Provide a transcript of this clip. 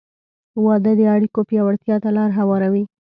• واده د اړیکو پیاوړتیا ته لار هواروي.